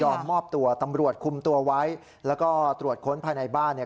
มอบตัวตำรวจคุมตัวไว้แล้วก็ตรวจค้นภายในบ้านเนี่ย